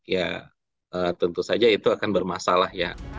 ya tentu saja itu akan bermasalah ya